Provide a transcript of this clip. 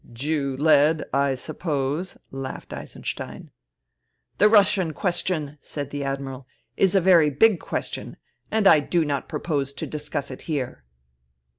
" Jew led, I suppose," laughed Eisenstein. " The Russian question," said the Admiral, " is a very big question, and I do not propose to discuss it here."